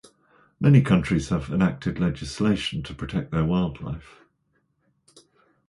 Many countries have enacted legislation to protect their wildlife.